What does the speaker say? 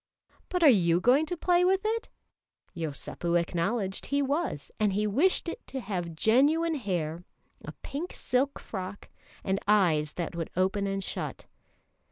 "But are you going to play with it?" Yosépu acknowledged he was, and he wished it to have genuine hair, a pink silk frock, and eyes that would open and shut.